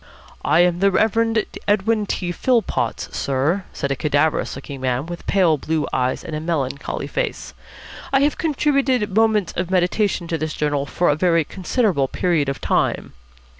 "I am the Reverend Edwin T. Philpotts, sir," said a cadaverous looking man with pale blue eyes and a melancholy face. "I have contributed 'Moments of Meditation' to this journal for a very considerable period of time."